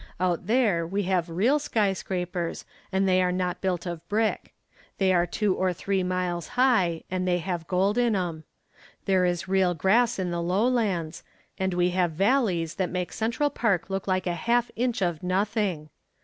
Out there we have real skyscrapers and they are not built of brick. They are two or three miles high and they have gold in 'em. There is real grass in the lowlands and we have valleys that make Central Park look like a half inch of nothing.